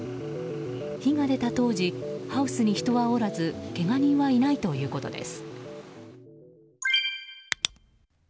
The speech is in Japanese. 火が出た当時ハウスに人はおらずけが人はいないということです。